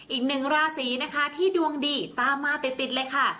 อีกหนึ่งราศีนะคะที่ดวงดีตามมาติดเลยค่ะ